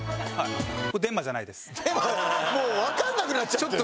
もうわかんなくなっちゃって。